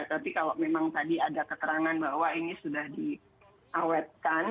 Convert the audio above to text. tapi kalau memang tadi ada keterangan bahwa ini sudah diawetkan